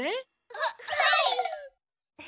はっはい！